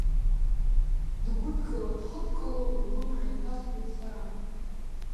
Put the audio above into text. Дгәыдкыла-хыдкыло ллымҳа инҭасҳәоит сара.